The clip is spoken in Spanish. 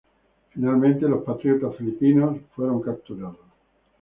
Finalmente los patriotas filipinos fueron capturados.